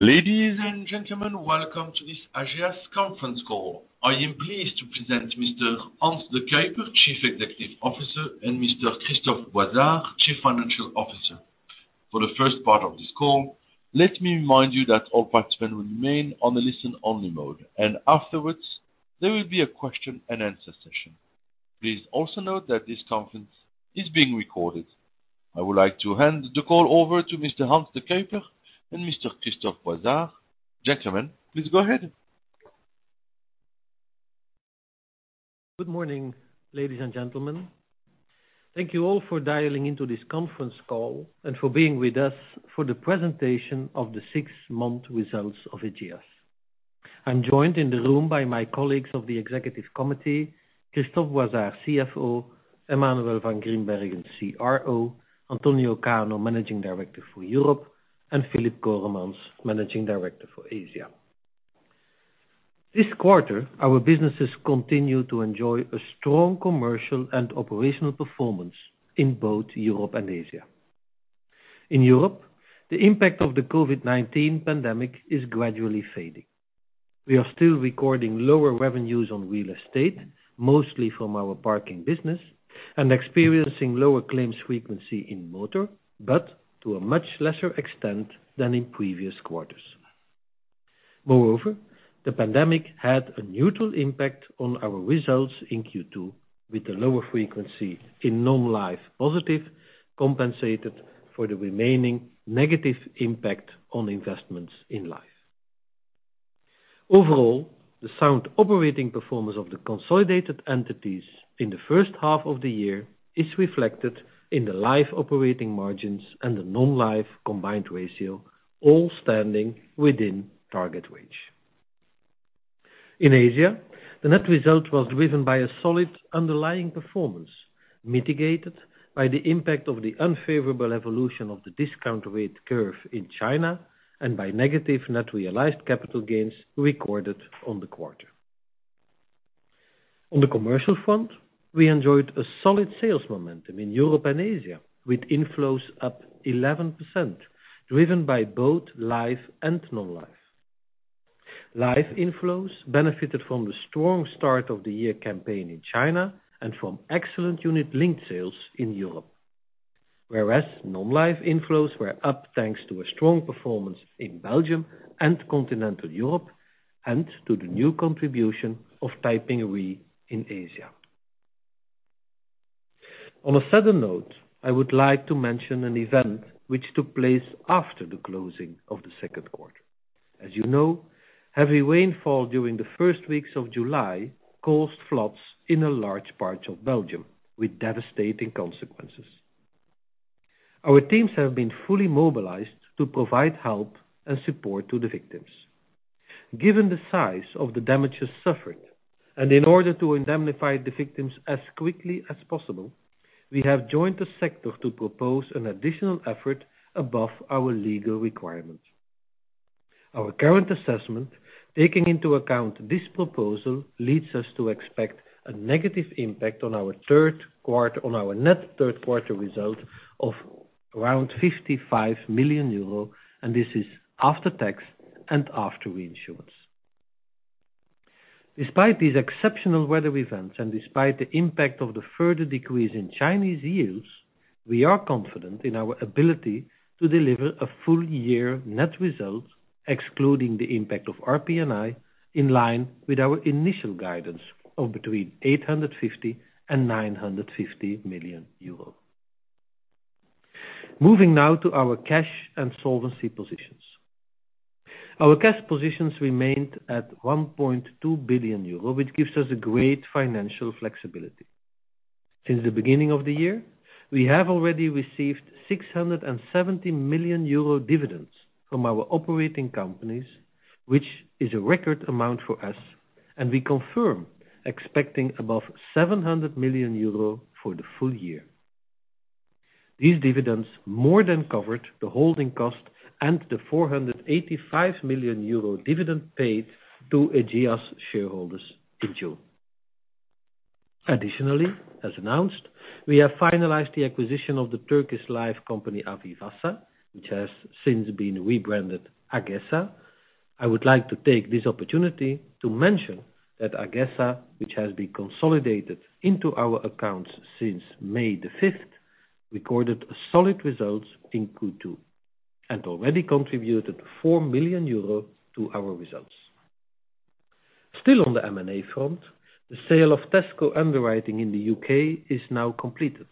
Ladies and gentlemen, welcome to this ageas conference call. I am pleased to present Mr. Hans De Cuyper, Chief Executive Officer, and Mr. Christophe Boizard, Chief Financial Officer. For the first part of this call, let me remind you that all participants will remain on a listen-only mode, and afterwards, there will be a question and answer session. Please also note that this conference is being recorded. I would like to hand the call over to Mr. Hans De Cuyper and Mr. Christophe Boizard. Gentlemen, please go ahead. Good morning, ladies and gentlemen. Thank you all for dialing into this conference call and for being with us for the presentation of the six-month results of ageas. I'm joined in the room by my colleagues of the executive committee, Christophe Boizard, CFO, Emmanuel Van Grimbergen, CRO, Antonio Cano, Managing Director for Europe, and Filip Coremans, Managing Director for Asia. This quarter, our businesses continue to enjoy a strong commercial and operational performance in both Europe and Asia. In Europe, the impact of the COVID-19 pandemic is gradually fading. We are still recording lower revenues on real estate, mostly from our parking business, and experiencing lower claims frequency in motor, but to a much lesser extent than in previous quarters. Moreover, the pandemic had a neutral impact on our results in Q2 with a lower frequency in non-life positive compensated for the remaining negative impact on investments in life. Overall, the sound operating performance of the consolidated entities in the first half of the year is reflected in the life operating margins and the non-life combined ratio, all standing within target range. In Asia, the net result was driven by a solid underlying performance, mitigated by the impact of the unfavorable evolution of the discount rate curve in China and by negative net realized capital gains recorded on the quarter. On the commercial front, we enjoyed a solid sales momentum in Europe and Asia, with inflows up 11%, driven by both life and non-life. Life inflows benefited from the strong start of the year campaign in China and from excellent unit-linked sales in Europe. Whereas non-life inflows were up, thanks to a strong performance in Belgium and continental Europe, and to the new contribution of Taiping Re in Asia. On a sudden note, I would like to mention an event which took place after the closing of the second quarter. As you know, heavy rainfall during the first weeks of July caused floods in a large part of Belgium with devastating consequences. Our teams have been fully mobilized to provide help and support to the victims. Given the size of the damages suffered, and in order to indemnify the victims as quickly as possible, we have joined the sector to propose an additional effort above our legal requirements. Our current assessment, taking into account this proposal, leads us to expect a negative impact on our net third-quarter result of around 55 million euro. This is after tax and after reinsurance. Despite these exceptional weather events and despite the impact of the further decrease in Chinese yields, we are confident in our ability to deliver a full- year net result, excluding the impact of RPNI, in line with our initial guidance of between 850 million and 950 million euros. Moving now to our cash and solvency positions. Our cash positions remained at 1.2 billion euro, which gives us a great financial flexibility. Since the beginning of the year, we have already received 670 million euro dividends from our operating companies, which is a record amount for us, and we confirm expecting above 700 million euro for the full- year. These dividends more than covered the holding cost and the 485 million euro dividend paid to ageas shareholders in June. Additionally, as announced, we have finalized the acquisition of the Turkish Life company, AvivaSA, which has since been rebranded AgeSA. I would like to take this opportunity to mention that AgeSA, which has been consolidated into our accounts since May 5th, recorded solid results in Q2 and already contributed 4 million euro to our results. Still on the M&A front, the sale of Tesco Underwriting in the UK is now completed.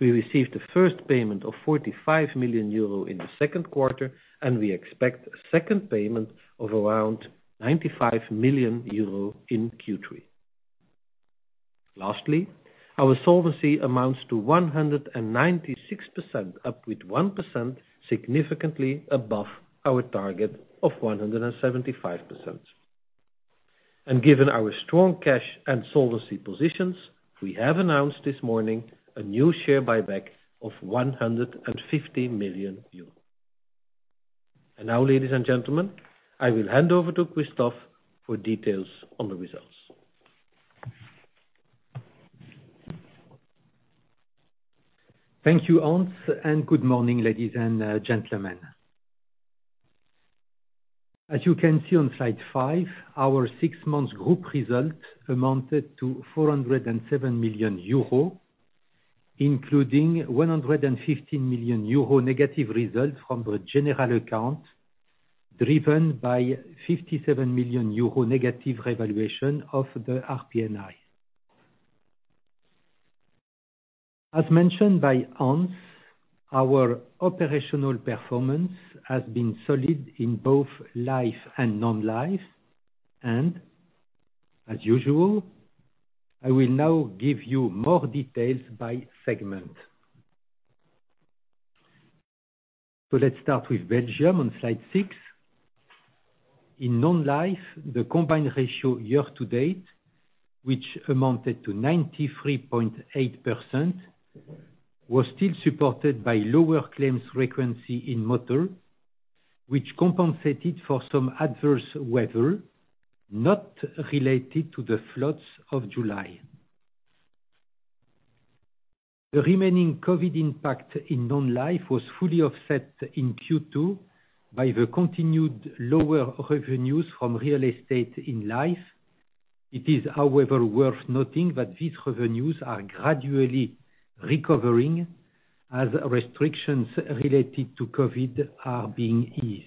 We received the first payment of 45 million euro in the second quarter, and we expect a second payment of around 95 million euro in Q3. Lastly, our solvency amounts to 196%, up with 1%, significantly above our target of 175%. Given our strong cash and solvency positions, we have announced this morning a new share buyback of 150 million euros. Now, ladies and gentlemen, I will hand over to Christophe for details on the results. Thank you, Hans, and good morning, ladies and gentlemen. As you can see on slide five, our six months group result amounted to 407 million euros, including 115 million euros negative result from the general account, driven by 57 million euros negative revaluation of the RPNI. As mentioned by Hans, our operational performance has been solid in both life and non-life, and as usual, I will now give you more details by segment. Let's start with Belgium on slide six. In non-life, the combined ratio year to date, which amounted to 93.8%, was still supported by lower claims frequency in motor, which compensated for some adverse weather not related to the floods of July. The remaining COVID impact in non-life was fully offset in Q2 by the continued lower revenues from real estate in life. It is, however, worth noting that these revenues are gradually recovering as restrictions related to COVID are being eased.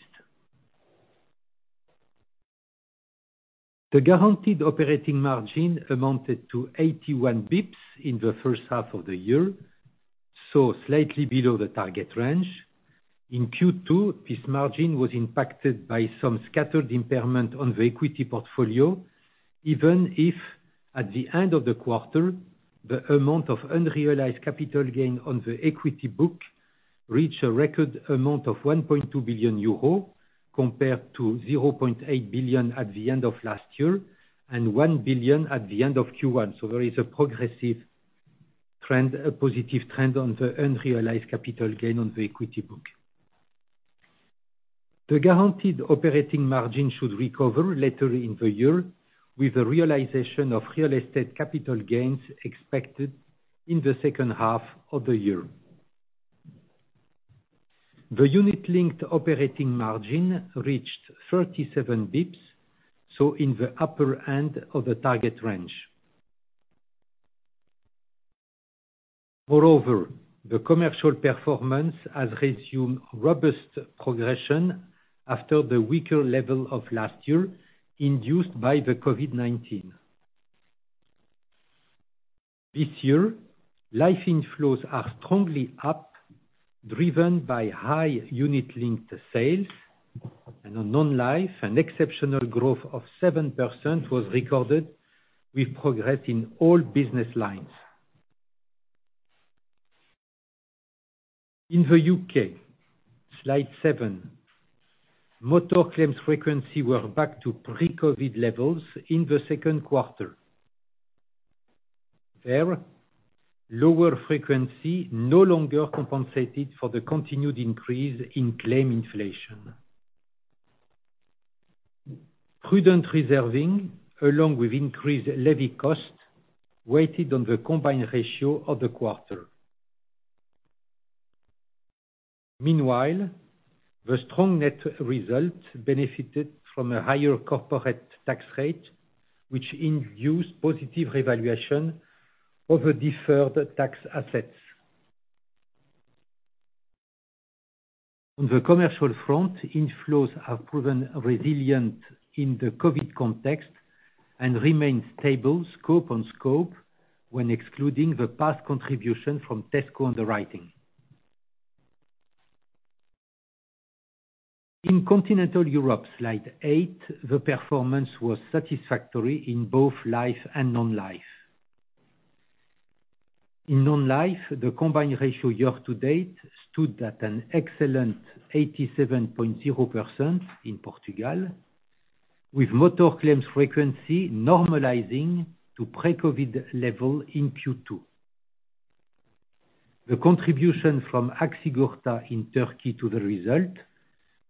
The guaranteed operating margin amounted to 81 basis points in the first half of the year, slightly below the target range. In Q2, this margin was impacted by some scattered impairment on the equity portfolio, even if at the end of the quarter, the amount of unrealized capital gain on the equity book reached a record amount of 1.2 billion euro, compared to 0.8 billion at the end of last year and 1 billion at the end of Q1. There is a progressive positive trend on the unrealized capital gain on the equity book. The guaranteed operating margin should recover later in the year with the realization of real estate capital gains expected in the second half of the year. The unit linked operating margin reached 37 basis points, so in the upper end of the target range. Moreover, the commercial performance has resumed robust progression after the weaker level of last year induced by the COVID-19. This year, life inflows are strongly up, driven by high unit linked sales. On non-life, an exceptional growth of 7% was recorded with progress in all business lines. In the U.K., slide seven, motor claims frequency were back to pre-COVID levels in the second quarter. There, lower frequency no longer compensated for the continued increase in claim inflation. Prudent reserving, along with increased levy cost, weighed on the combined ratio of the quarter. Meanwhile, the strong net result benefited from a higher corporate tax rate, which induced positive revaluation of the deferred tax assets. On the commercial front, inflows have proven resilient in the COVID context and remain stable scope on scope when excluding the past contribution from Tesco Underwriting. In Continental Europe, slide eight, the performance was satisfactory in both life and non-life. In non-life, the combined ratio year to date stood at an excellent 87.0% in Portugal, with motor claims frequency normalizing to pre-COVID level in Q2. The contribution from Aksigorta in Turkey to the result,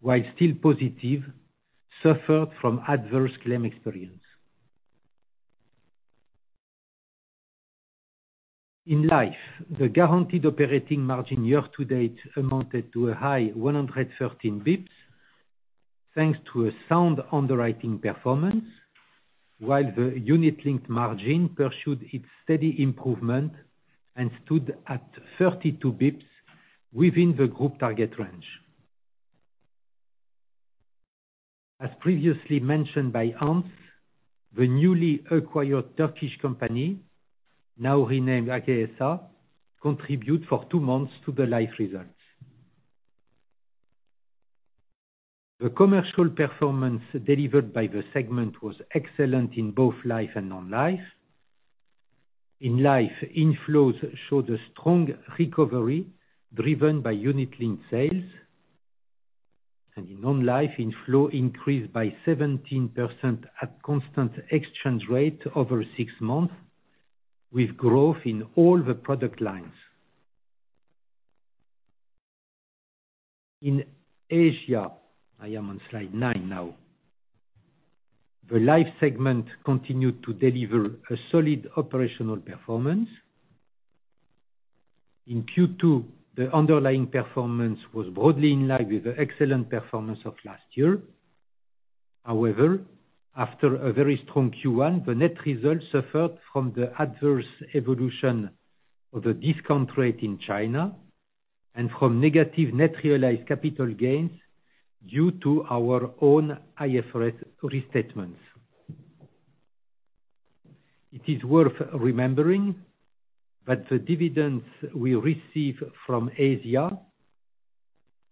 while still positive, suffered from adverse claim experience. In life, the guaranteed operating margin year to date amounted to a high 113 basis points, thanks to a sound underwriting performance, while the unit linked margin pursued its steady improvement and stood at 32 basis points within the group target range. As previously mentioned by Hans, the newly acquired Turkish company, now renamed ageas, contribute for two months to the life results. The commercial performance delivered by the segment was excellent in both life and non-life. In life, inflows showed a strong recovery driven by unit linked sales. In non-life, inflow increased by 17% at constant exchange rate over six months, with growth in all the product lines. In Asia, I am on slide nine now. The life segment continued to deliver a solid operational performance. In Q2, the underlying performance was broadly in line with the excellent performance of last year. However, after a very strong Q1, the net results suffered from the adverse evolution of the discount rate in China and from negative net realized capital gains due to our own IFRS restatements. It is worth remembering that the dividends we receive from Asia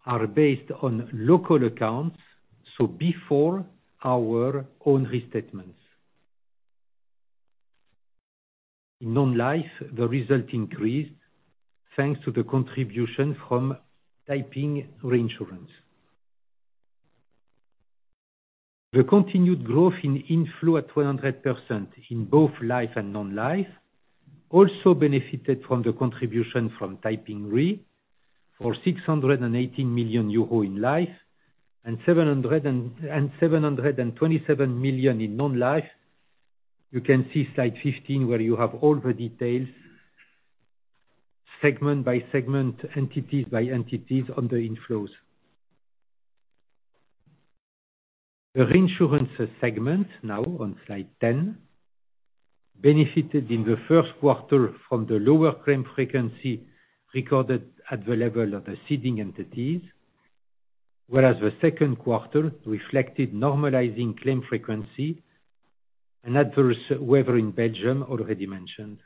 are based on local accounts, so before our own restatements. In non-life, the result increased thanks to the contribution from Taiping Reinsurance. The continued growth in inflow at 100% in both life and non-life also benefited from the contribution from Taiping Re for 618 million euro in life and 727 million in non-life. You can see slide 15 where you have all the details, segment by segment, entities by entities on the inflows. The reinsurance segment, now on slide 10, benefited in the first quarter from the lower claim frequency recorded at the level of the ceding entities, whereas the second quarter reflected normalizing claim frequency and adverse weather in Belgium, already mentioned.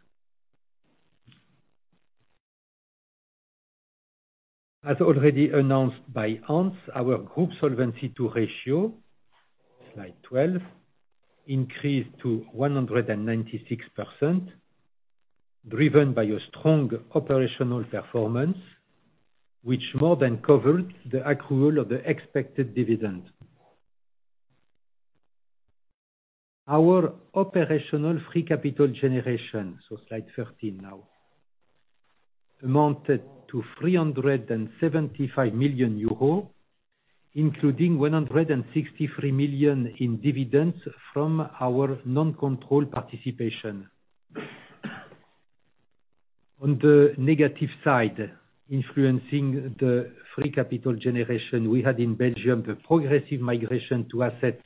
As already announced by Hans, our group solvency to ratio, slide 12, increased to 196%, driven by a strong operational performance, which more than covered the accrual of the expected dividend. Our operational free capital generation, so slide 13 now, amounted to 375 million euro, including 163 million in dividends from our non-controlled participation. On the negative side, influencing the free capital generation we had in Belgium, the progressive migration to assets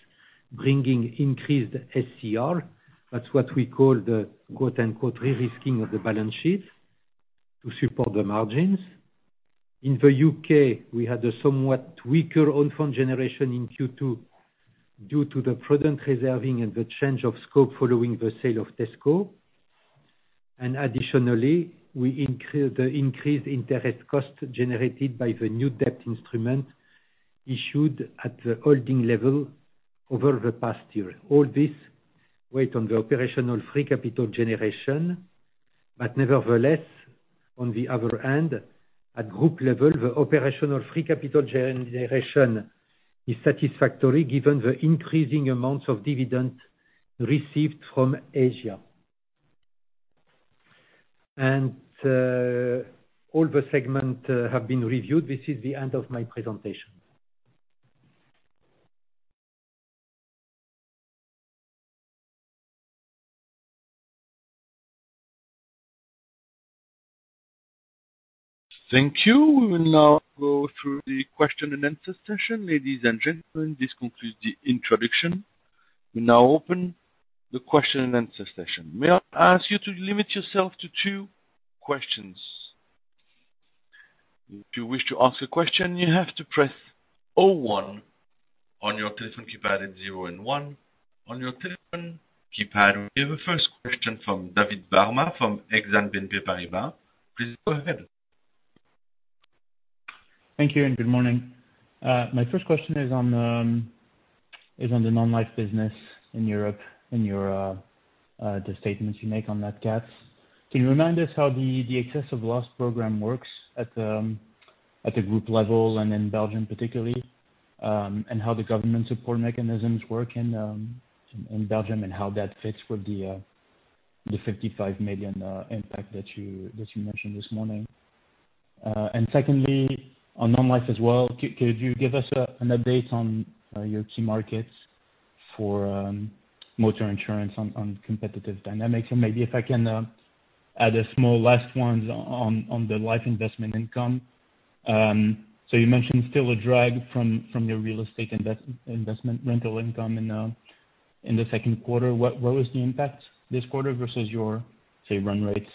bringing increased SCR. That's what we call the, quote-unquote, "rerisking of the balance sheet" to support the margins. In the U.K., we had a somewhat weaker own fund generation in Q2 due to the prudent reserving and the change of scope following the sale of Tesco. Additionally, we increased the interest cost generated by the new debt instrument issued at the holding level over the past year. All this weighed on the operational free capital generation, but nevertheless, on the other hand, at group level, the operational free capital generation is satisfactory given the increasing amounts of dividend received from Asia. All the segment have been reviewed. This is the end of my presentation. Thank you. We will now go through the question and answer session. Ladies and gentlemen, this concludes the introduction. We now open the question and answer session. May I ask you to limit yourself to two questions. If you wish to ask a question, you have to press 01 on your telephone keypad, zero and one on your telephone keypad. We have a first question from David Barma from Exane BNP Paribas. Please go ahead. Thank you and good morning. My first question is on the non-life business in Europe, and the statements you make on that, cat nat. Can you remind us how the excess of loss program works at the group level and in Belgium particularly, and how the government support mechanisms work in Belgium, and how that fits with the 55 million impact that you mentioned this morning? Secondly, on non-life as well, could you give us an update on your key markets for motor insurance on competitive dynamics? Maybe if I can add a small last one on the life investment income. You mentioned still a drag from your real estate investment rental income in the second quarter. What was the impact this quarter versus your, say, run rate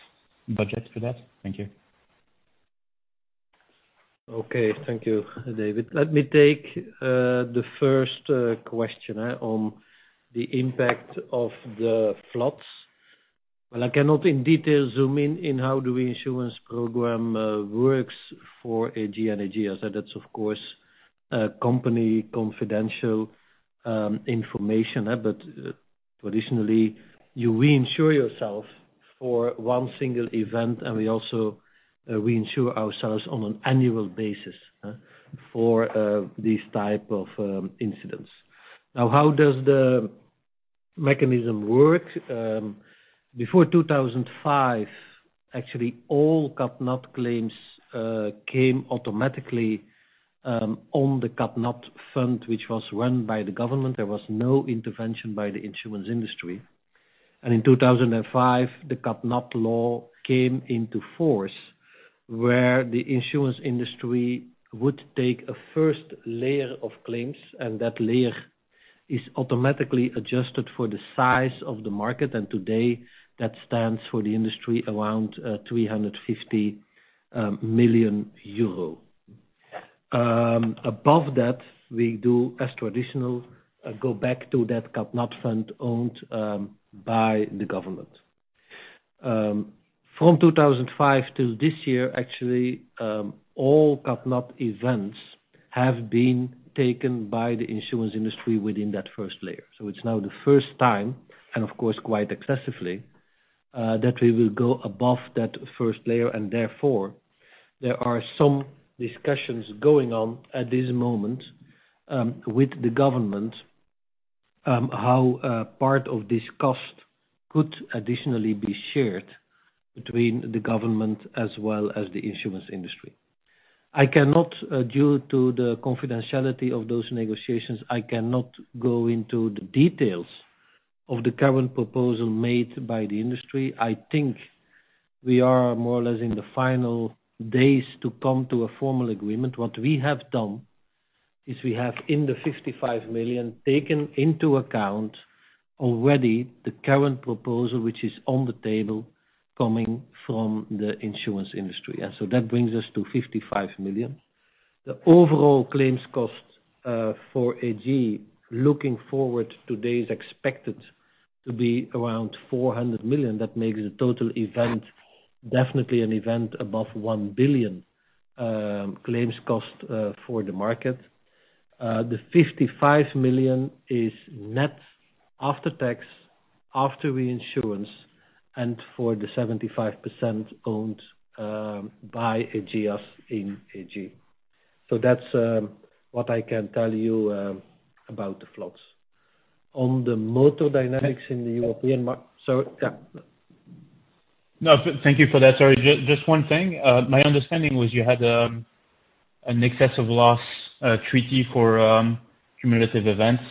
budget for that? Thank you. Okay. Thank you, David. Let me take the first question on the impact of the floods. Well, I cannot in detail zoom in on how the reinsurance program works for AG and ageas. That's, of course, company confidential information. Traditionally, you reinsure yourself for one single event, and we also reinsure ourselves on an annual basis for these type of incidents. Now, how does the mechanism works. Before 2005, actually all cat nat claims came automatically on the cat nat fund, which was run by the government. There was no intervention by the insurance industry. In 2005, the cat nat law came into force where the insurance industry would take a first layer of claims, and that layer is automatically adjusted for the size of the market. Today that stands for the industry around 350 million euro. Above that, we do as traditional, go back to that cat nat fund owned by the government. From 2005 till this year, actually, all cat nat events have been taken by the insurance industry within that first layer. it's now the first time, and of course quite excessively, that we will go above that first layer, and therefore there are some discussions going on at this moment with the government how part of this cost could additionally be shared between the government as well as the insurance industry. Due to the confidentiality of those negotiations, I cannot go into the details of the current proposal made by the industry. I think we are more or less in the final days to come to a formal agreement. What we have done is we have, in the 55 million, taken into account already the current proposal, which is on the table coming from the insurance industry. That brings us to 55 million. The overall claims cost for AG looking forward today is expected to be around 400 million. That makes the total event definitely an event above 1 billion claims cost for the market. The 55 million is net after tax, after reinsurance, and for the 75% owned by ageas in AG. That's what I can tell you about the floods. On the motor dynamics in the European market. Sorry, yeah. No, thank you for that. Sorry, just one thing. My understanding was you had an excessive loss treaty for cumulative events.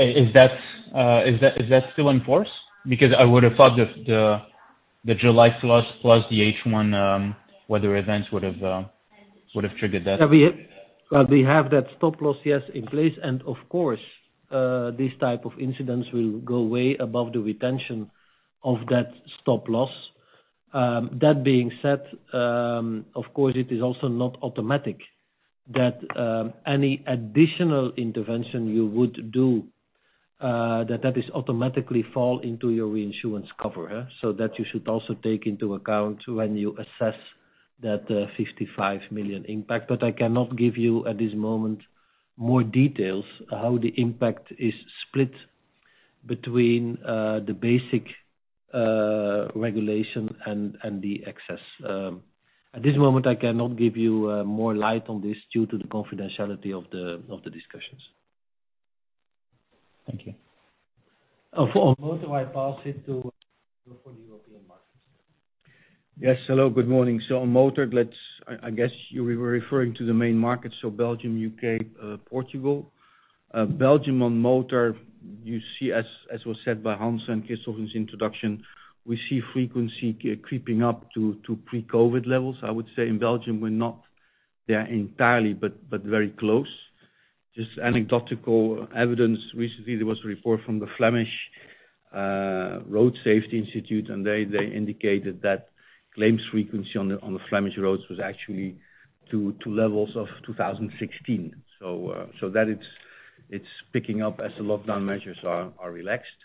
Is that still in force? Because I would have thought that the July plus the H1 weather events would have triggered that. Well, we have that stop loss, yes, in place. Of course, these type of incidents will go way above the retention of that stop loss. That being said, of course, it is also not automatic that any additional intervention you would do that automatically fall into your reinsurance cover. That you should also take into account when you assess that 55 million impact. I cannot give you, at this moment, more details how the impact is split between the basic regulation and the excess. At this moment, I cannot give you more light on this due to the confidentiality of the discussions. Thank you. For motor, I pass it to for the European markets. Yes. Hello, good morning. On motor, I guess you were referring to the main markets, so Belgium, U.K., Portugal. Belgium on motor, you see, as was said by Hans and Christophe's introduction, we see frequency creeping up to pre-COVID levels. I would say in Belgium we're not there entirely, but very close. Just anecdotal evidence. Recently, there was a report from the Flemish Road Safety Institute, and they indicated that claims frequency on the Flemish roads was actually to levels of 2016. That it's picking up as the lockdown measures are relaxed.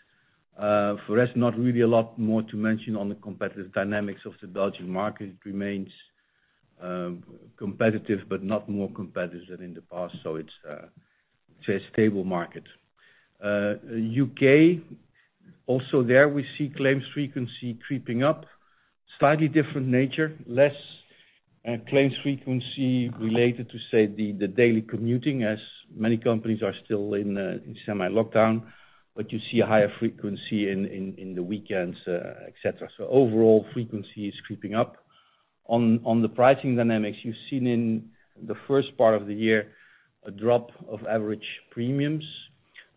For us, not really a lot more to mention on the competitive dynamics of the Belgian market. It remains competitive, but not more competitive than in the past. It's a stable market. U.K., also there we see claims frequency creeping up, slightly different nature. Less claims frequency related to, say, the daily commuting as many companies are still in semi-lockdown, but you see a higher frequency in the weekends, et cetera. Overall, frequency is creeping up. On the pricing dynamics, you've seen in the first part of the year a drop of average premiums.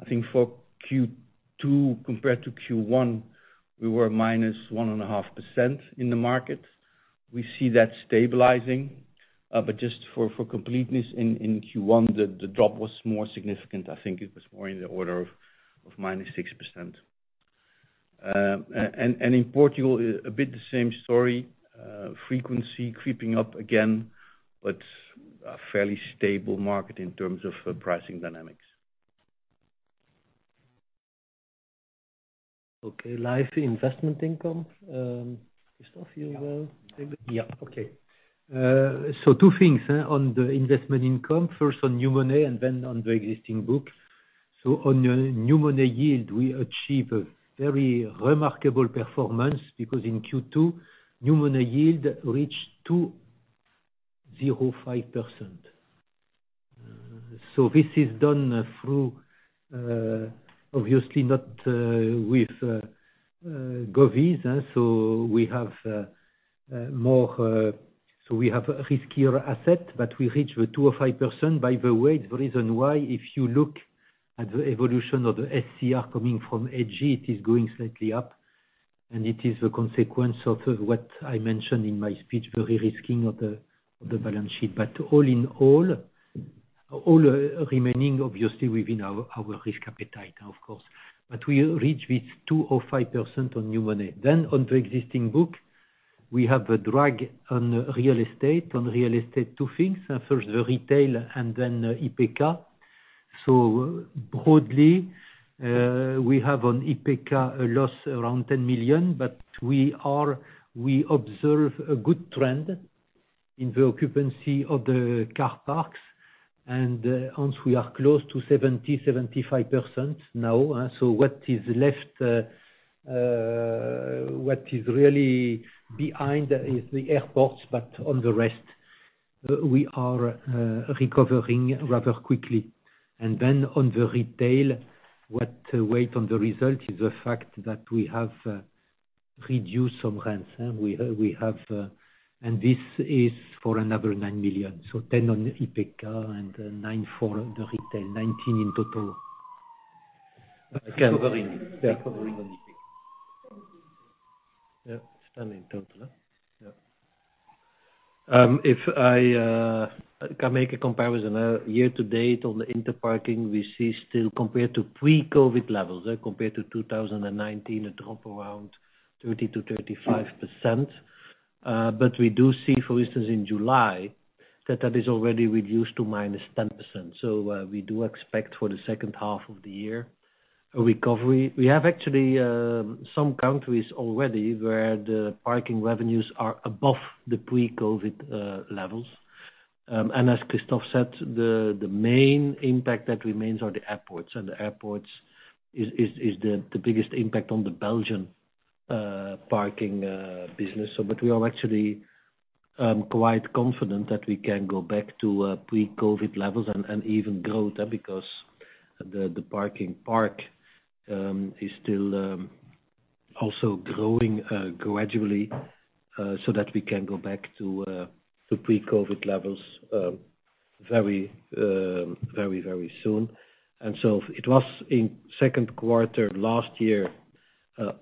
I think for Q2 compared to Q1, we were minus 1.5% in the market. We see that stabilizing. Just for completeness, in Q1, the drop was more significant. I think it was more in the order of minus 6%. In Portugal, a bit the same story. Frequency creeping up again, but a fairly stable market in terms of pricing dynamics. Okay. Life investment income. Christophe, you will take it? Yeah. Okay. Two things on the investment income. First on new money and then on the existing book. On new money yield, we achieve a very remarkable performance because in Q2, new money yield reached 2.05%. This is done through, obviously not with govies. We have riskier assets, but we reach the 205%. By the way, the reason why, if you look at the evolution of the SCR coming from HE, it is going slightly up, and it is a consequence of what I mentioned in my speech, the de-risking of the balance sheet. All in all remaining, obviously, within our risk appetite, of course. We reach with 205% on new money. On the existing book, we have a drag on real estate. On real estate, two things. First, the retail and then Interparking. Broadly, we have on Interparking a loss around 10 million, but we observe a good trend in the occupancy of the car parks. Once we are close to 70%-75% now, so what is left, what is really behind is the airports, but on the rest, we are recovering rather quickly. On the retail, what weight on the result is the fact that we have reduced some rents. This is for another 9 million. 10 million on Interparking and 9 million for the retail, 19 million in total. Recovering. Yeah. Recovering on Interparking. Yeah, it's done in total. Yeah. If I can make a comparison, year to date on the Interparking, we see still compared to pre-COVID levels, compared to 2019, a drop around 30%-35%. We do see, for instance, in July, that that is already reduced to -10%. We do expect for the second half of the year, a recovery. We have actually some countries already where the parking revenues are above the pre-COVID levels. As Christophe said, the main impact that remains are the airports, and the airports is the biggest impact on the Belgian parking business. We are actually quite confident that we can go back to pre-COVID levels and even growth because the parking park is still also growing gradually, so that we can go back to pre-COVID levels very, very soon. it was in second quarter last year,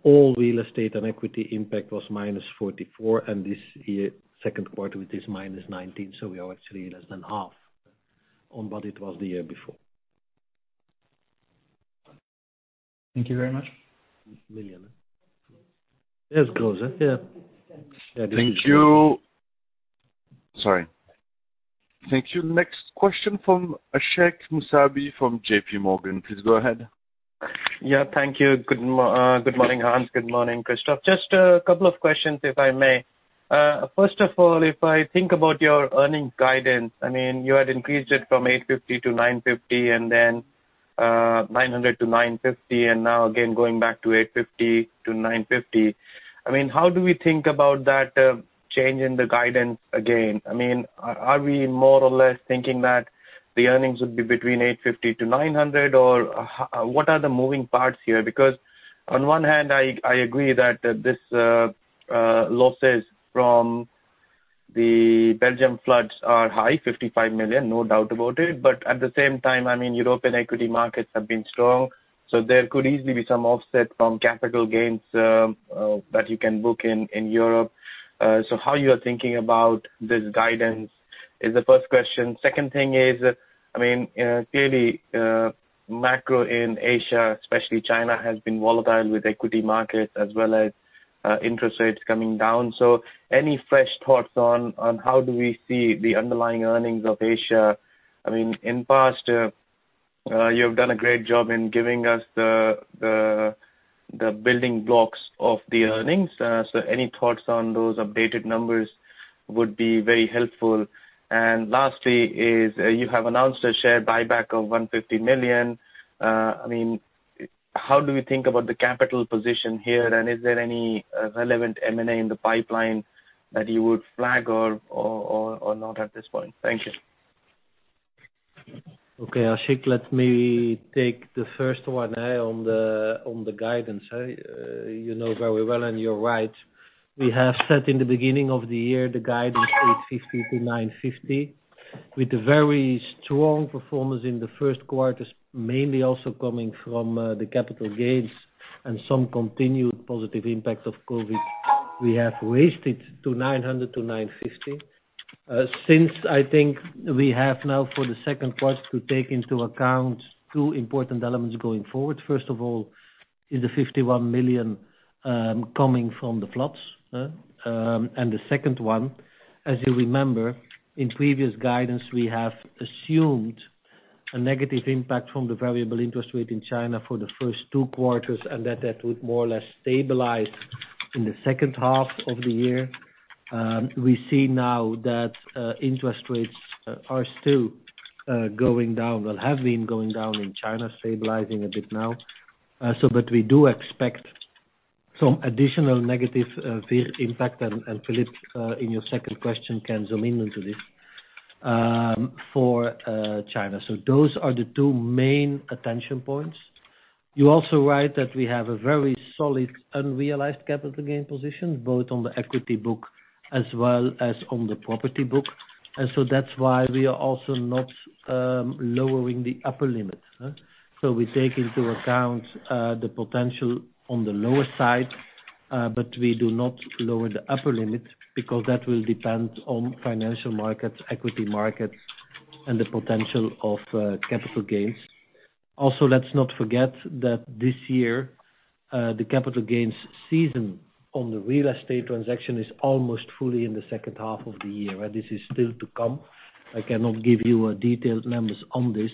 all real estate and equity impact was -44, and this year, second quarter, it is -19, so we are actually less than half on what it was the year before. Thank you very much. Million. It's close, yeah. Yeah. Thank you. Sorry. Thank you. Next question from Ashik Musaddi from JP Morgan. Please go ahead. Yeah. Thank you. Good morning, Hans. Good morning, Christophe. Just a couple of questions, if I may. First of all, if I think about your earnings guidance, you had increased it from 850-950 and then 900-950, and now again, going back to 850-950. How do we think about that change in the guidance again? Are we more or less thinking that the earnings would be between 850-900, or what are the moving parts here? Because on one hand, I agree that these losses from the Belgium floods are high, 55 million, no doubt about it. At the same time, European equity markets have been strong, so there could easily be some offset from capital gains that you can book in Europe. How are you thinking about this guidance is the first question. Second thing is, clearly, macro in Asia, especially China, has been volatile with equity markets as well as interest rates coming down. Any fresh thoughts on how do we see the underlying earnings of Asia? In past, you have done a great job in giving us the building blocks of the earnings. Any thoughts on those updated numbers would be very helpful. Lastly is, you have announced a share buyback of 150 million. How do we think about the capital position here, and is there any relevant M&A in the pipeline that you would flag or not at this point? Thank you. Okay, Ashik, let me take the first one on the guidance. You know very well, and you're right. We have set in the beginning of the year the guidance 850-950, with a very strong performance in the first quarters, mainly also coming from the capital gains and some continued positive impact of COVID. We have raised it to 900-950. Since I think we have now for the second quarter to take into account two important elements going forward. First of all is the 51 million coming from the floods. The second one, as you remember, in previous guidance, we have assumed a negative impact from the variable interest rate in China for the first two quarters, and that that would more or less stabilize in the second half of the year. We see now that interest rates are still going down. Well, have been going down in China, stabilizing a bit now. we do expect some additional negative VIR impact, and Philippe, in your second question can zoom into this, for China. those are the two main attention points. You're also right that we have a very solid unrealized capital gain position, both on the equity book as well as on the property book. that's why we are also not lowering the upper limit. we take into account the potential on the lower side, but we do not lower the upper limit because that will depend on financial markets, equity markets, and the potential of capital gains. let's not forget that this year, the capital gains season on the real estate transaction is almost fully in the second half of the year. This is still to come. I cannot give you detailed numbers on this.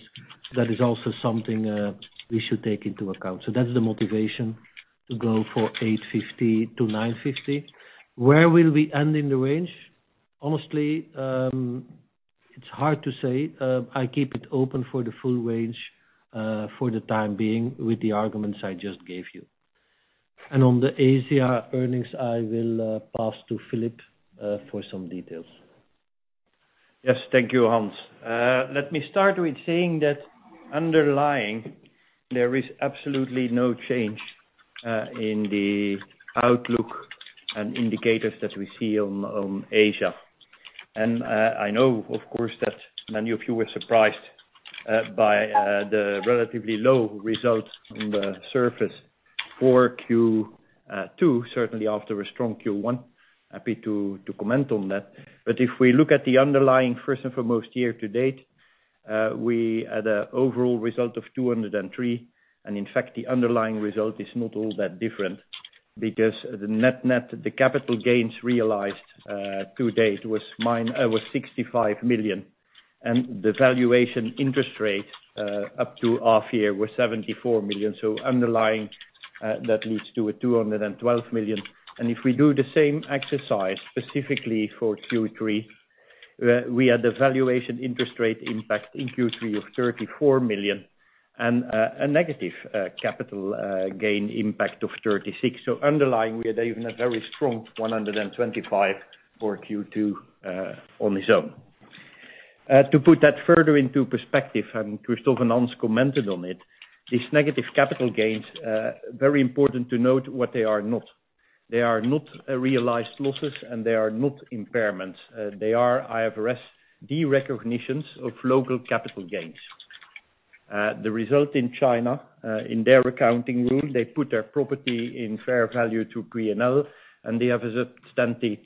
That is also something we should take into account. That's the motivation to go for 850-950. Where will we end in the range? Honestly, it's hard to say. I keep it open for the full range for the time being with the arguments I just gave you. On the Asia earnings, I will pass to Philippe for some details. Yes. Thank you, Hans. Let me start with saying that underlying, there is absolutely no change in the outlook and indicators that we see on Asia. I know, of course, that many of you were surprised by the relatively low results on the surface for Q2, certainly after a strong Q1. Happy to comment on that. If we look at the underlying first and foremost year to date, we had an overall result of 203, and in fact, the underlying result is not all that different because the net, the capital gains realized to date was 65 million. The valuation interest rate up to half year was 74 million. Underlying, that leads to a 212 million. If we do the same exercise specifically for Q3, we had the valuation interest rate impact in Q3 of 34 million and a negative capital gain impact of 36. underlying, we had even a very strong 125 for Q2 on its own. To put that further into perspective, and Christophe and Hans commented on it, these negative capital gains, very important to note what they are not. They are not realized losses, and they are not impairments. They are IFRS de-recognitions of local capital gains. The result in China, in their accounting rule, they put their property in fair value to P&L, and they have a substantive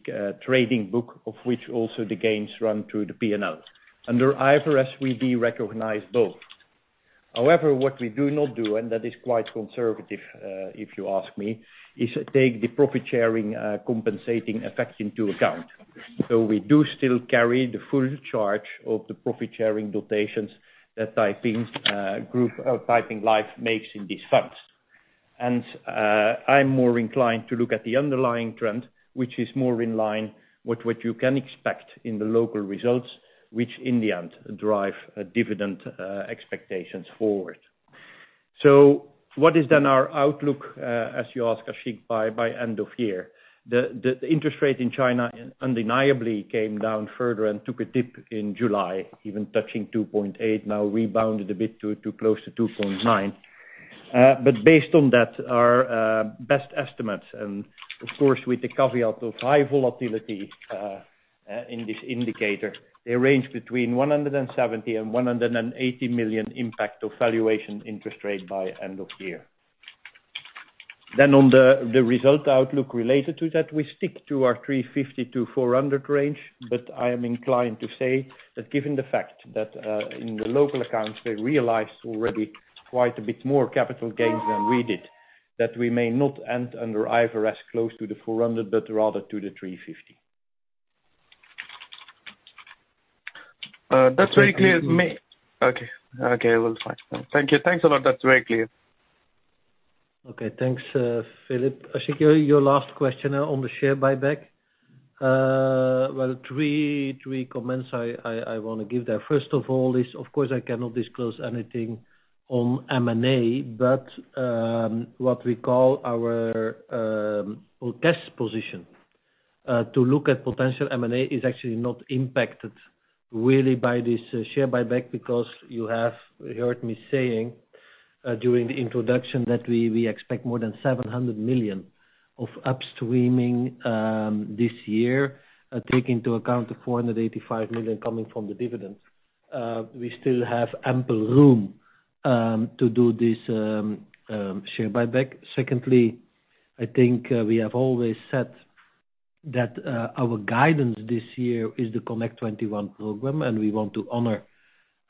trading book, of which also the gains run through the P&L. Under IFRS, we de-recognize both. However, what we do not do, and that is quite conservative if you ask me, is take the profit-sharing compensating effect into account. we do still carry the full charge of the profit-sharing dotations that Taiping Life makes in these funds. I'm more inclined to look at the underlying trend, which is more in line with what you can expect in the local results, which in the end drive dividend expectations forward. What is then our outlook, as you ask, Ashik, by end of year? The interest rate in China undeniably came down further and took a dip in July, even touching 2.8, now rebounded a bit to close to 2.9. Based on that, our best estimates, and of course with the caveat of high volatility in this indicator, they range between 170 million-180 million impact of valuation interest rate by end of year. on the result outlook related to that, we stick to our 350 to 400 range, but I am inclined to say that given the fact that in the local accounts, they realized already quite a bit more capital gains than we did, that we may not end under IFRS close to the 400, but rather to the 350. That's very clear. Okay, we'll find. Thank you. Thanks a lot. That's very clear. Okay. Thanks, Philippe. Ashik, your last question on the share buyback. Well, three comments I want to give there. First of all is, of course, I cannot disclose anything on M&A, but what we call our test position to look at potential M&A is actually not impacted really by this share buyback because you have heard me saying during the introduction that we expect more than 700 million of upstreaming this year, take into account the 485 million coming from the dividend. We still have ample room to do this share buyback. Secondly, I think we have always said that our guidance this year is the Connect 21 program, and we want to honor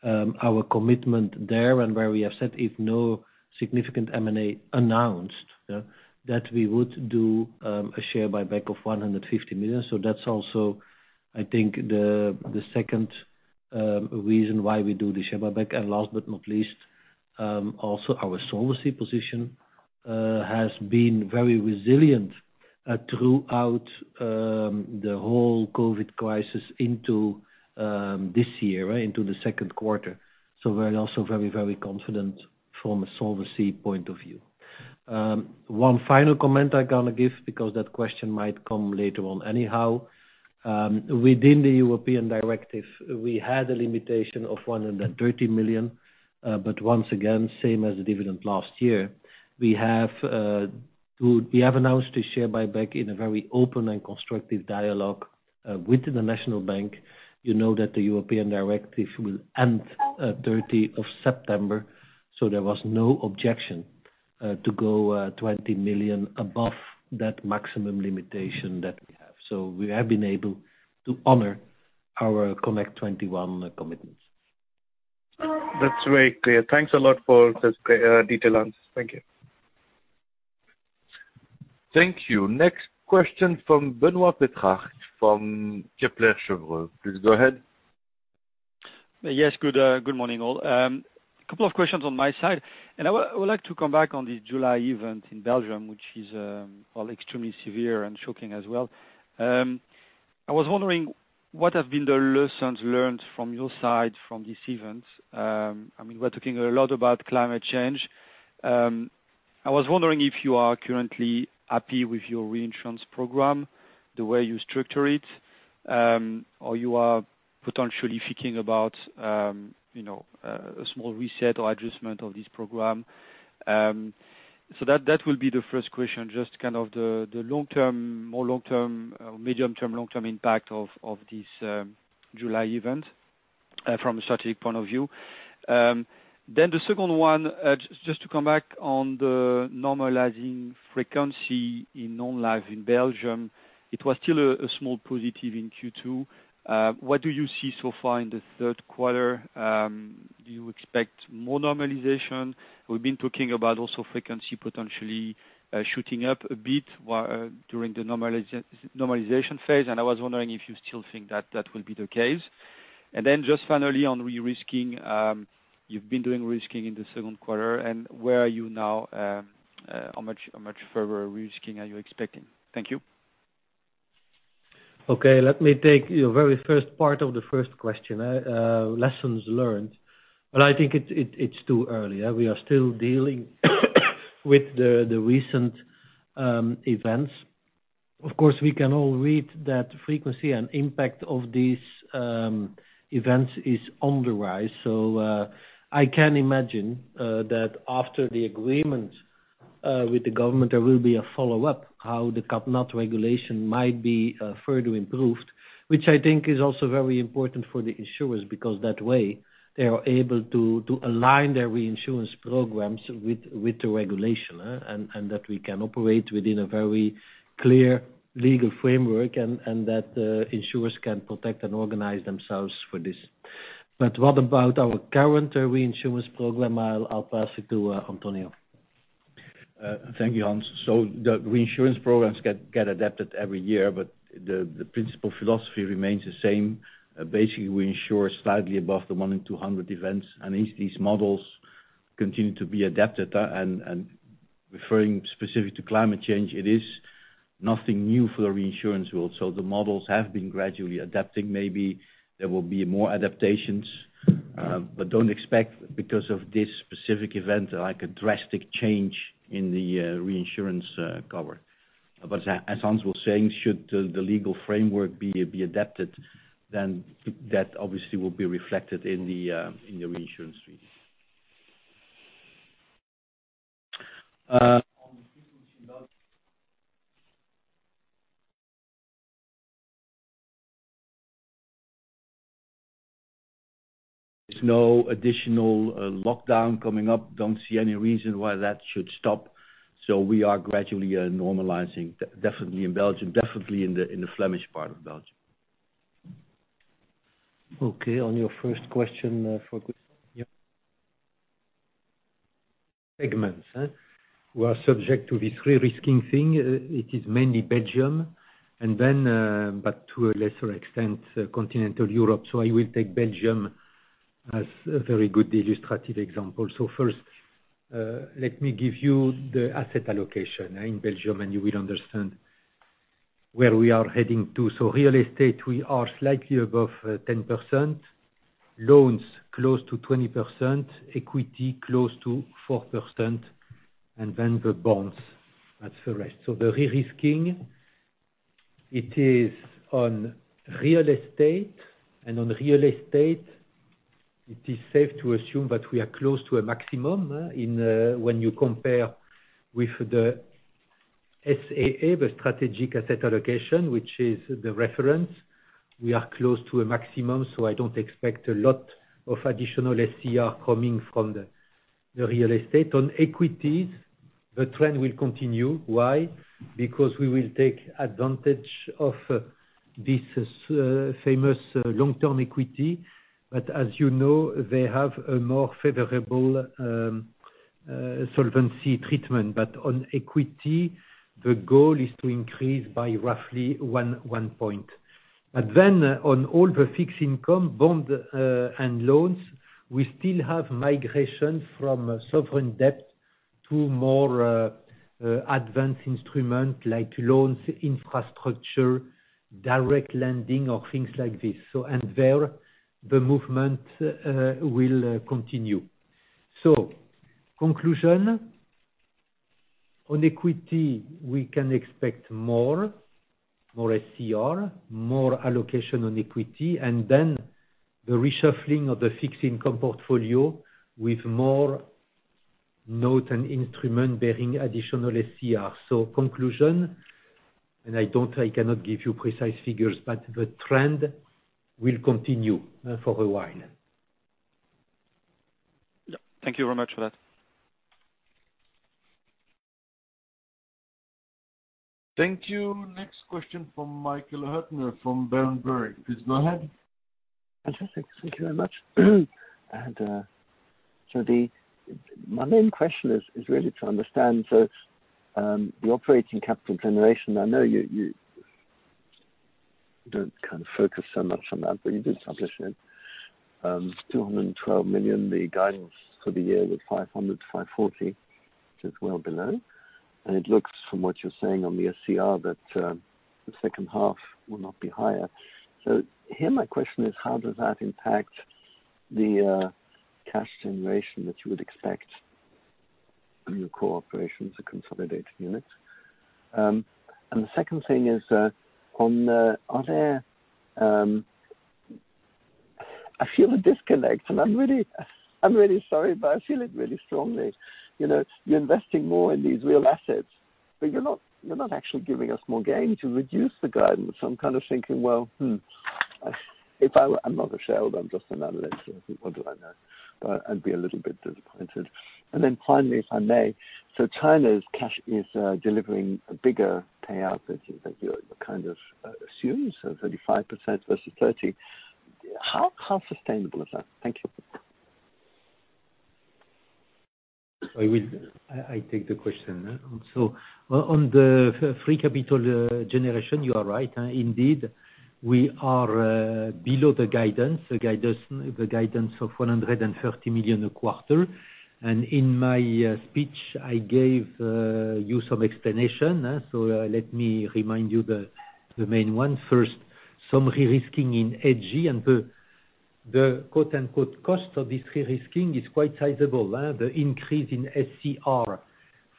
our commitment there and where we have said if no significant M&A announced, that we would do a share buyback of 150 million. That's also, I think, the second reason why we do the share buyback. Last but not least, also our solvency position has been very resilient throughout the whole COVID crisis into this year, into the second quarter. We're also very confident from a solvency point of view. One final comment I'm going to give because that question might come later on anyhow. Within the European directive, we had a limitation of 130 million. Once again, same as the dividend last year, we have announced a share buyback in a very open and constructive dialogue within the National Bank. You know that the European directive will end 30th of September, so there was no objection to go 20 million above that maximum limitation that we have. We have been able to honor our Connect '21 commitments. That's very clear. Thanks a lot for this detailed answer. Thank you. Thank you. Next question from Benoît Pétrarque from Kepler Cheuvreux. Please go ahead. Yes. Good morning, all. A couple of questions on my side. I would like to come back on the July event in Belgium, which is extremely severe and shocking as well. I was wondering what have been the lessons learned from your side from this event. We're talking a lot about climate change. I was wondering if you are currently happy with your reinsurance program, the way you structure it, or you are potentially thinking about a small reset or adjustment of this program. That will be the first question, just the more long-term or medium-term impact of this July event from a strategic point of view. The second one, just to come back on the normalizing frequency in non-life in Belgium, it was still a small positive in Q2. What do you see so far in the third quarter? Do you expect more normalization? We've been talking about also frequency potentially shooting up a bit during the normalization phase, and I was wondering if you still think that will be the case. Just finally on re-risking. You've been doing re-risking in the second quarter, and where are you now? How much further re-risking are you expecting? Thank you. Okay, let me take your very first part of the first question, lessons learned. I think it's too early. We are still dealing with the recent events. Of course, we can all read that frequency and impact of these events is on the rise. I can imagine that after the agreement with the government, there will be a follow-up how the cat nat regulation might be further improved, which I think is also very important for the insurers, because that way they are able to align their reinsurance programs with the regulation, and that we can operate within a very clear legal framework, and that the insurers can protect and organize themselves for this. What about our current reinsurance program? I'll pass it to Antonio. Thank you, Hans. the reinsurance programs get adapted every year, but the principal philosophy remains the same. Basically, we insure slightly above the one in 200 events, and these models continue to be adapted. referring specific to climate change, it is nothing new for the reinsurance world. the models have been gradually adapting. Maybe there will be more adaptations, but don't expect because of this specific event, like a drastic change in the reinsurance cover. as Hans was saying, should the legal framework be adapted, then that obviously will be reflected in the reinsurance fees. There's no additional lockdown coming up. Don't see any reason why that should stop. we are gradually normalizing, definitely in Belgium, definitely in the Flemish part of Belgium. Okay, on your first question for segments, we are subject to this re-risking thing. It is mainly Belgium, but to a lesser extent, continental Europe. I will take Belgium as a very good illustrative example. First, let me give you the asset allocation in Belgium, and you will understand where we are heading to. Real estate, we are slightly above 10%, loans close to 20%, equity close to 4%, and then the bonds, that's the rest. The re-risking, it is on real estate, and on real estate, it is safe to assume that we are close to a maximum when you compare with the SAA, the strategic asset allocation, which is the reference. We are close to a maximum, so I don't expect a lot of additional SCR coming from the real estate. On equities, the trend will continue. Why? we will take advantage of this famous long-term equity. As you know, they have a more favorable solvency treatment. On equity, the goal is to increase by roughly one point. On all the fixed income bond and loans, we still have migration from sovereign debt To more advanced instruments like loans, infrastructure, direct lending, or things like this. There, the movement will continue. Conclusion, on equity, we can expect more SCR, more allocation on equity, and then the reshuffling of the fixed income portfolio with more note and instrument bearing additional SCR. Conclusion, and I cannot give you precise figures, but the trend will continue for a while. Yeah. Thank you very much for that. Thank you. Next question from Michael Huttner from Berenberg. Please go ahead. Fantastic. Thank you very much. My main question is really to understand the operating capital generation. I know you don't focus so much on that, but you did publish it. 212 million, the guidance for the year was 500-540 million, which is well below. It looks from what you're saying on the SCR that the second half will not be higher. Here my question is, how does that impact the cash generation that you would expect from your cooperation as a consolidated unit? The second thing is on. I feel a disconnect, and I'm really sorry, but I feel it really strongly. You're investing more in these real assets, but you're not actually giving us more gain to reduce the guidance. I'm kind of thinking, well, I'm not a shareholder, I'm just an analyst, so what do I know? I'd be a little bit disappointed. Then finally, if I may, so China's cash is delivering a bigger payout that you kind of assume, so 35% versus 30. How sustainable is that? Thank you. I take the question. On the free capital generation, you are right, indeed. We are below the guidance of 130 million a quarter. In my speech, I gave you some explanation. Let me remind you the main one. First, some de-risking in AG and the quote-unquote cost of this de-risking is quite sizable. The increase in SCR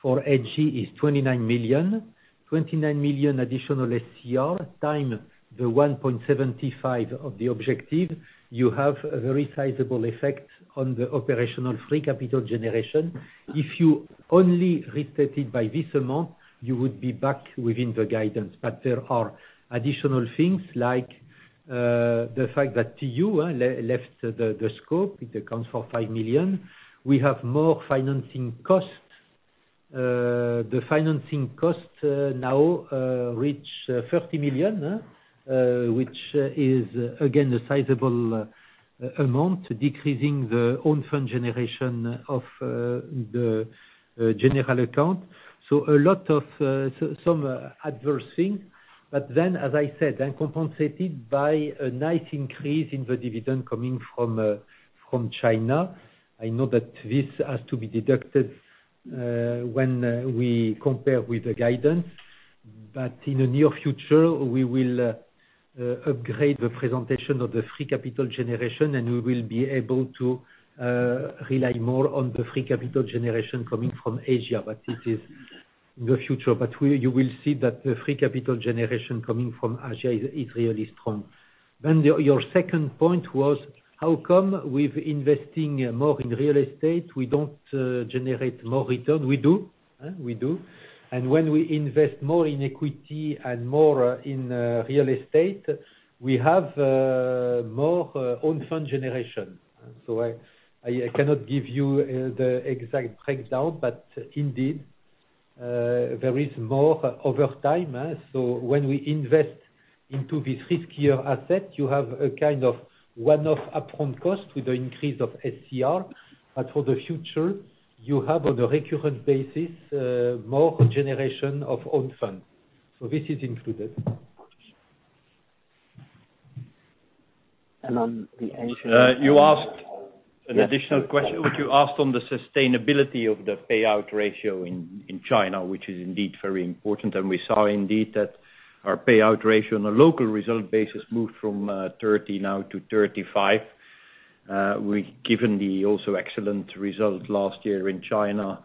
for AG is 29 million. 29 million additional SCR times the 1.75 of the objective, you have a very sizable effect on the operational free capital generation. If you only restated by this amount, you would be back within the guidance. There are additional things, like the fact that you left the scope. It accounts for 5 million. We have more financing costs. The financing costs now reach 30 million, which is again, a sizable amount, decreasing the own fund generation of the general account. Some adverse things. as I said, then compensated by a nice increase in the dividend coming from China. I know that this has to be deducted when we compare with the guidance. in the near future, we will upgrade the presentation of the free capital generation, and we will be able to rely more on the free capital generation coming from Asia. it is in the future. you will see that the free capital generation coming from Asia is really strong. your second point was, how come with investing more in real estate, we don't generate more return? We do. when we invest more in equity and more in real estate, we have more own fund generation. I cannot give you the exact breakdown, but indeed, there is more over time. When we invest into this riskier asset, you have a kind of one-off upfront cost with the increase of SCR. For the future, you have on a recurrent basis, more generation of own funds. This is included. on the Asian- You asked an additional question, which you asked on the sustainability of the payout ratio in China, which is indeed very important. We saw indeed that our payout ratio on a local result basis moved from 30 now to 35. Given the also excellent result last year in China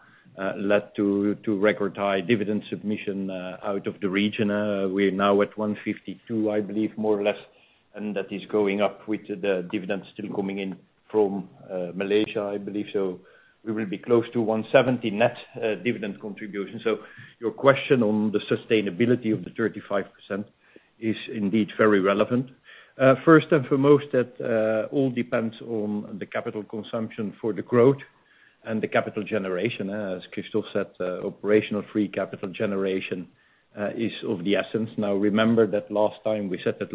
led to record high dividend submission out of the region. We're now at 152, I believe, more or less, and that is going up with the dividends still coming in from Malaysia, I believe. We will be close to 170 net dividend contribution. Your question on the sustainability of the 35% is indeed very relevant. First and foremost, that all depends on the capital consumption for the growth and the capital generation. As Christophe said, operational free capital generation is of the essence. Now, remember that last time we said that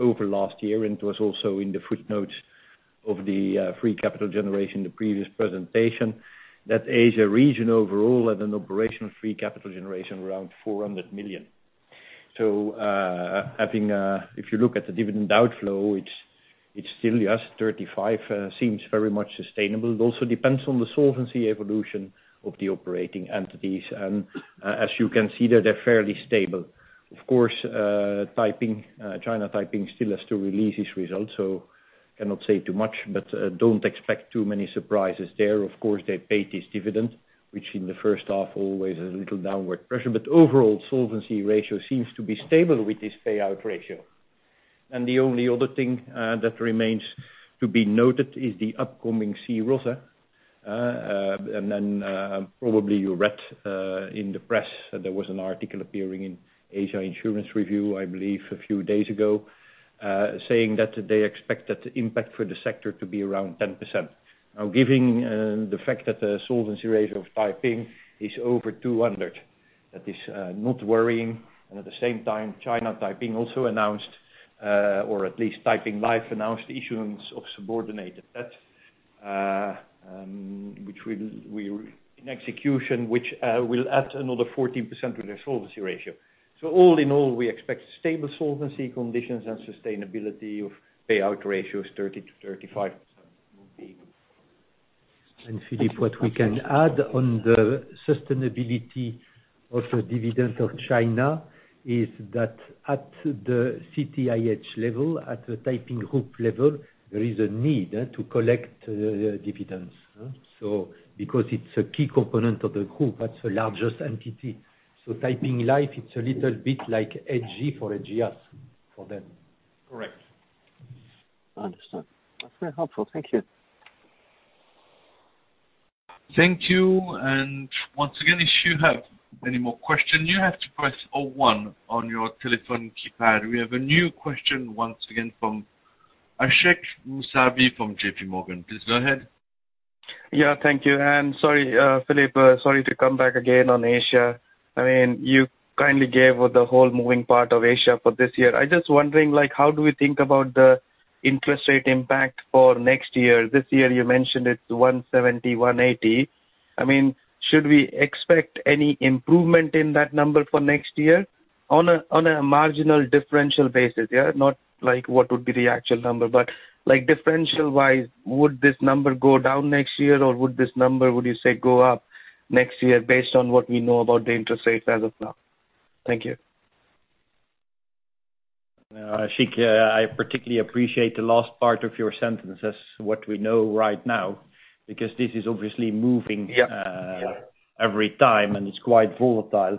over last year, and it was also in the footnotes of the free capital generation, the previous presentation, that Asia region overall had an operational free capital generation around 400 million. if you look at the dividend outflow, it's still just 35, seems very much sustainable. It also depends on the solvency evolution of the operating entities, and as you can see that they're fairly stable. Of course, China Taiping still has to release its results, so cannot say too much, but don't expect too many surprises there. Of course, they paid this dividend, which in the first half, always a little downward pressure, but overall solvency ratio seems to be stable with this payout ratio. the only other thing that remains to be noted is the upcoming C-ROSS. probably you read in the press that there was an article appearing in Asia Insurance Review, I believe, a few days ago, saying that they expect that the impact for the sector to be around 10%. Now, given the fact that the solvency ratio of Taiping is over 200, that is not worrying. At the same time, China Taiping also announced, or at least Taiping Life announced the issuance of subordinated debt, in execution which will add another 14% to their solvency ratio. All in all, we expect stable solvency conditions and sustainability of payout ratios 30%-35% moving. Philippe, what we can add on the sustainability of the dividend of China is that at the CTIH level, at the Taiping group level, there is a need to collect dividends. because it's a key component of the group, that's the largest entity. Taiping Life it's a little bit like AG for ageas for them. Correct. I understand. That's very helpful. Thank you. Thank you. We have a new question once again from Ashik Musaddi from JP Morgan. Please go ahead. Yeah, thank you, and sorry, Philippe. Sorry to come back again on Asia. You kindly gave the whole moving part of Asia for this year. I just wondering, how do we think about the interest rate impact for next year? This year you mentioned it's 170, 180. Should we expect any improvement in that number for next year on a marginal differential basis, yeah. Not like what would be the actual number, but like differential-wise, would this number go down next year, or would this number, would you say go up next year based on what we know about the interest rates as of now? Thank you. Ashik, I particularly appreciate the last part of your sentences, what we know right now, because this is obviously moving. Yeah every time, and it's quite volatile.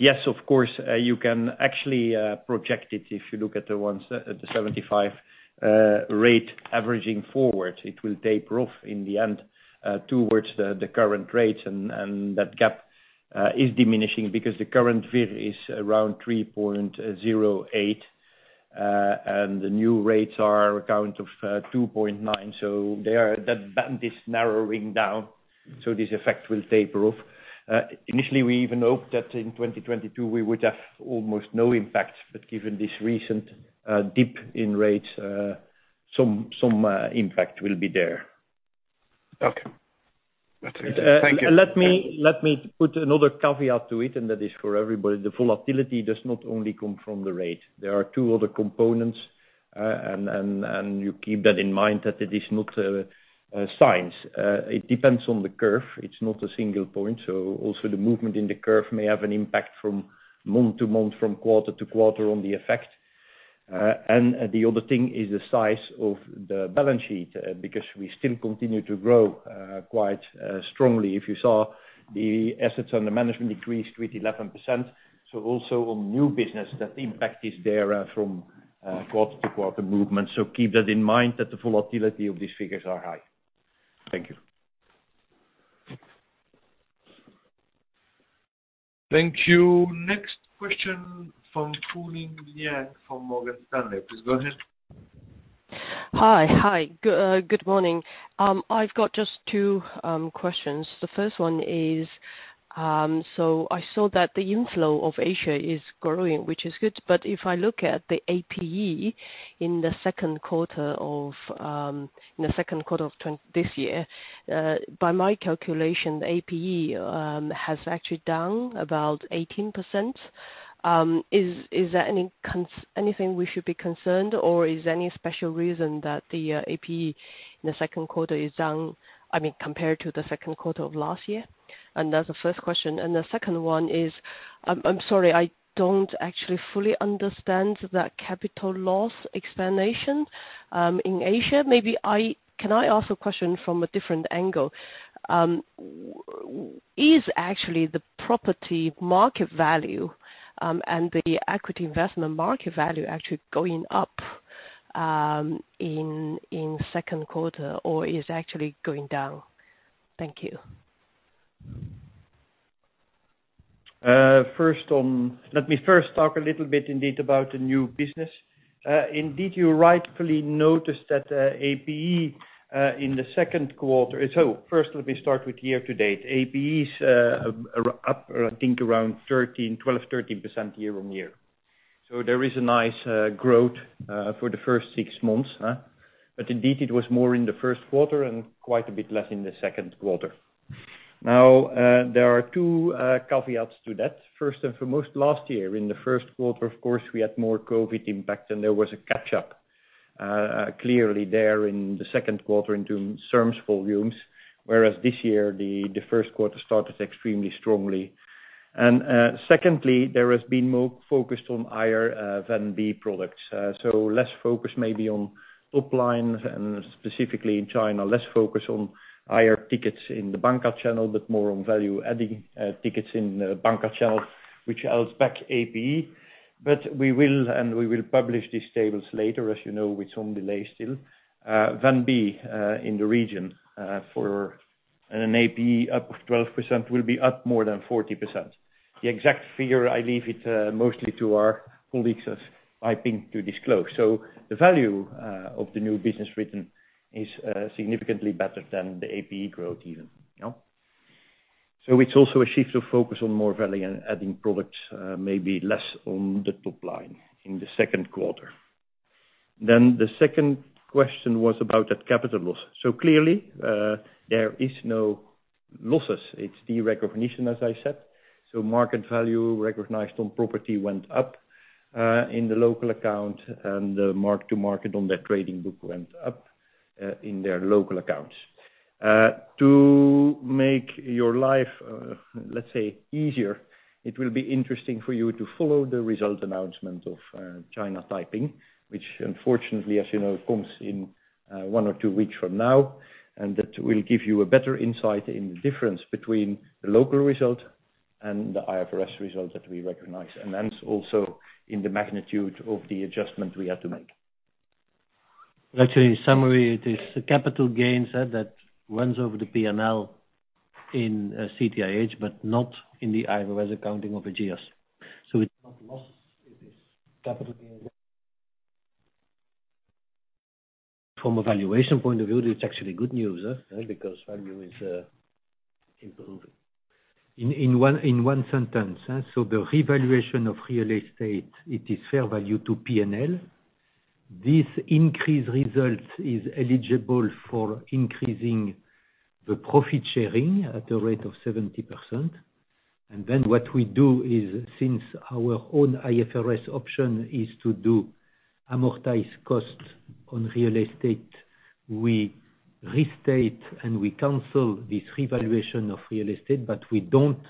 yes, of course, you can actually project it if you look at the 175 rate averaging forward. It will taper off in the end, towards the current rate and that gap is diminishing because the current VIR is around 3.08. the new rates are around of 2.9, so that band is narrowing down, so this effect will taper off. Initially, we even hoped that in 2022 we would have almost no impact, but given this recent dip in rates, some impact will be there. Okay. That's it. Thank you. Let me put another caveat to it, and that is for everybody. The volatility does not only come from the rate. There are two other components, and you keep that in mind that it is not a science. It depends on the curve. It's not a single point. Also the movement in the curve may have an impact from month to month, from quarter- to- quarter on the effect. The other thing is the size of the balance sheet, because we still continue to grow quite strongly. If you saw the assets under management increased with 11%. Also on new business, that impact is there from quarter -to- quarter movement. Keep that in mind that the volatility of these figures are high. Thank you. Thank you. Next question from Fulin Liang from Morgan Stanley. Please go ahead. Hi. Good morning. I've got just 2 questions. The 1st one is, I saw that the inflow of Asia is growing, which is good. If I look at the APE in the 2nd quarter of this year, by my calculation, the APE has actually down about 18%. Is there anything we should be concerned or is there any special reason that the APE in the 2nd quarter is down compared to the 2nd quarter of last year? That's the 1st question. The 2nd one is, I'm sorry, I don't actually fully understand that capital loss explanation in Asia. Can I ask a question from a different angle? Is actually the property market value, and the equity investment market value actually going up in 2nd quarter or is actually going down? Thank you. Let me first talk a little bit indeed about the new business. You rightfully noticed that APE. First let me start with year to date. APE is up I think around 12, 13% year- on -year. There is a nice growth for the first six months. Indeed it was more in the first quarter and quite a bit less in the second quarter. There are two caveats to that. First and foremost, last year in the first quarter, of course, we had more COVID-19 impact, and there was a catch-up clearly there in the second quarter into SIRMS volumes, whereas this year the first quarter started extremely strongly. Secondly, there has been more focus on IR than B products. Less focus maybe on top line, and specifically in China, less focus on IR tickets in the bancassurance channel, but more on value-adding tickets in bancassurance channel, which helps back APE. We will, and we will publish these tables later, as you know with some delay still. VNB, in the region, for an APE up of 12%, will be up more than 40%. The exact figure, I leave it mostly to our colleagues at Taiping to disclose. The value of the new business written is significantly better than the APE growth even. It's also a shift of focus on more value-adding products, maybe less on the top line in the second quarter. The second question was about that capital loss. Clearly, there is no losses. It's the recognition, as I said. Market value recognized on property went up, in the local account and the mark to market on their trading book went up, in their local accounts. To make your life, let's say, easier, it will be interesting for you to follow the result announcement of China Taiping, which unfortunately, as you know, comes in one or two weeks from now, and that will give you a better insight in the difference between the local result and the IFRS result that we recognize, and hence also in the magnitude of the adjustment we had to make. Actually, in summary, it's the capital gains that runs over the P&L in CTIH but not in the IFRS accounting of ageas. It's not losses, it is capital gains. From a valuation point of view, it's actually good news, because value is improving. In 1 sentence. The revaluation of real estate, it is fair value to P&L. This increased result is eligible for increasing the profit sharing at a rate of 70%. What we do is, since our own IFRS option is to do amortize cost on real estate, we restate and we cancel this revaluation of real estate, but we don't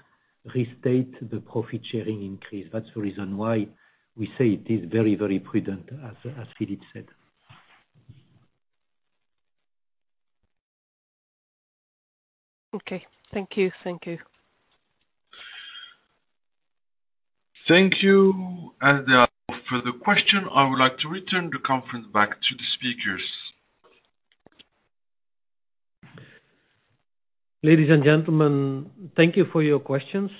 restate the profit-sharing increase. That's the reason why we say it is very, very prudent, as Philippe said. Okay. Thank you. Thank you. As there are no further questions, I would like to return the conference back to the speakers. Ladies and gentlemen, thank you for your questions.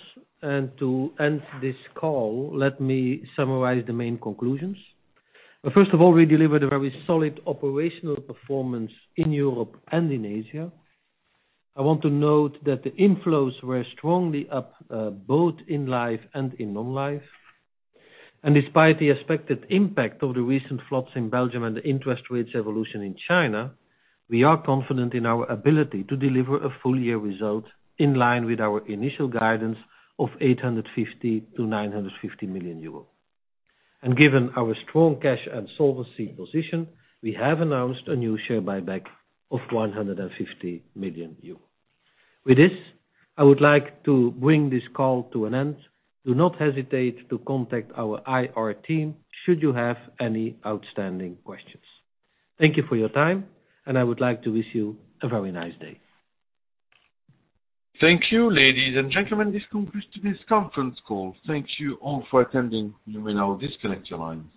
To end this call, let me summarize the main conclusions. First of all, we delivered a very solid operational performance in Europe and in Asia. I want to note that the inflows were strongly up, both in life and in non-life. Despite the expected impact of the recent floods in Belgium and the interest rates evolution in China, we are confident in our ability to deliver a full-year result in line with our initial guidance of 850 million-950 million euro. Given our strong cash and solvency position, we have announced a new share buyback of 150 million euros. With this, I would like to bring this call to an end. Do not hesitate to contact our IR team should you have any outstanding questions. Thank you for your time. I would like to wish you a very nice day. Thank you, ladies and gentlemen. This concludes today's conference call. Thank you all for attending. You may now disconnect your line.